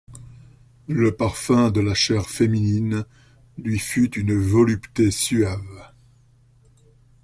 Le parfum de la chair féminine lui fut une volupté suave.